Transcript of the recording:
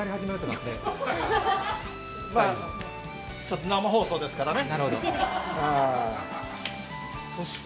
まあ生放送ですからね。